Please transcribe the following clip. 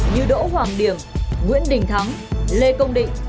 như đỗ hoàng điểm nguyễn đình thắng lê công định